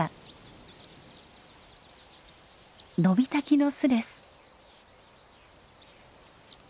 ノビタキの巣です。